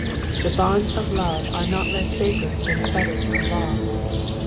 The bonds of love are not less sacred than the fetters of law.